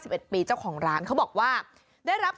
ส่วนเมนูที่ว่าคืออะไรติดตามในช่วงตลอดกิน